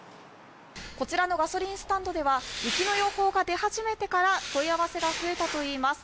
こちらのガソリンスタンドでは雪の予報が出始めてから問い合わせが増えたといいます。